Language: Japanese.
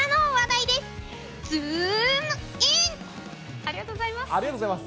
ありがとうございます。